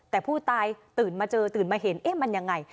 แต่ผู้ตายตื่นมาเจอตื่นมาเห็นเอ๊ะมันยังไง